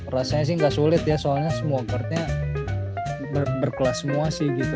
rasanya sih gak sulit ya soalnya semua guard guardnya berkelas semua sih gitu